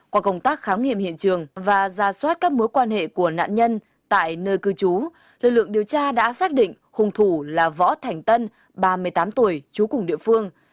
qua công tác khám nghiệm hiện trường và ra soát các mối quan hệ của nạn nhân tại nơi cư trú lực lượng điều tra đã xác định hùng thủ là võ thành tân ba mươi tám tuổi trú cùng địa phương